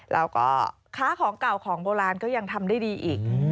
แล้วก็ค้าของเก่าของโบราณก็ยังทำได้ดีอีก